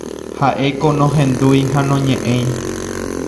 Ha'éko nohendúi ha noñe'ẽi.